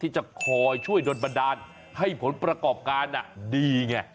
ที่จะคอยช่วยโดนบันดาลให้ผลประกอบการดีไง